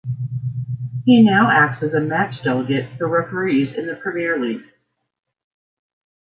He now acts as a Match Delegate for referees in the Premier League.